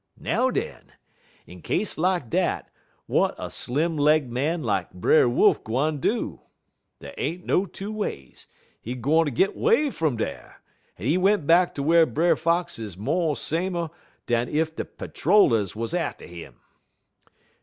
Now, den, in case lak dat, w'at a slim legged man lak Brer Wolf gwine do? Dey ain't no two ways, he gwine ter git 'way fum dar, en he went back ter whar Brer Fox is mo' samer dan ef de patter rollers wuz atter 'im.